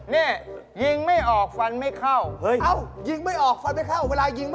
นี่ถาดเท่าไร